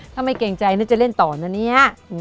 ถ้าไม่เกรงใจนึกจะเล่นต่อนะเนี่ย